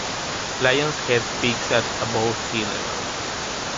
Lion's Head peaks at above sea level.